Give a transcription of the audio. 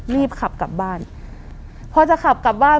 เรียบขับกลับบ้าน